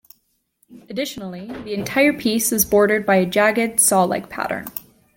Additionally, the entire piece is bordered by a jagged saw-like pattern.